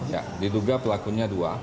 ya diduga pelakunya dua